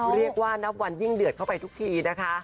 เรียกว่านับวันยิ่งเดือดเข้าไปทุกทีนะคะ